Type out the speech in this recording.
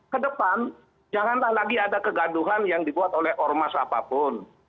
kedepan janganlah lagi ada kegaduhan yang dibuat oleh ormas apapun